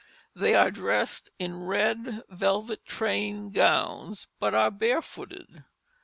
They are dressed in red velvet trained gowns, but are barefooted.